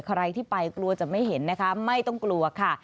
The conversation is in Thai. ใครที่ไปกลัวจะไม่เห็นนะคะไม่ต้องกลัวค่ะ